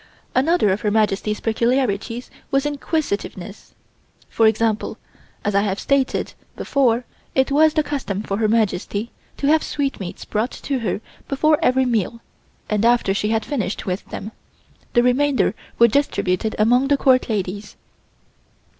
Another of Her Majesty's peculiarities was inquisitiveness. For example: As I have stated before, it was the custom for Her Majesty to have sweetmeats brought to her before every meal, and after she had finished with them, the remainder were distributed among the Court ladies.